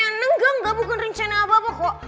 rencana gak bukan rencana apa apa kok